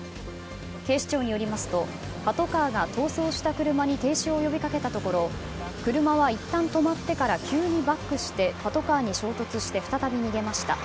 警視庁によりますと、パトカーが逃走した車に停止を呼びかけたところ車はいったん止まってから急にバックしてパトカーに衝突して再び逃げました。